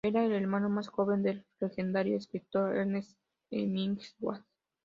Era el hermano más joven del legendario escritor Ernest Hemingway.